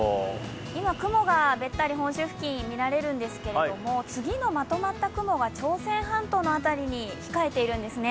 今、雲がべったり本州付近みられるんですけど次のまとまった雲が朝鮮半島の辺りに控えているんですね。